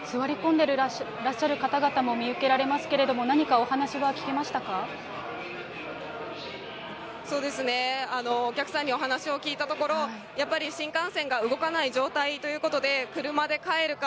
でらっしゃる方々も見受けられますけれども、そうですね、お客さんにお話を聞いたところ、やっぱり新幹線が動かない状態ということで、車で帰るか、